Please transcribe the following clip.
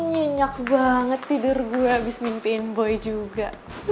nyenyak banget tidur gue abis mimpin boy juga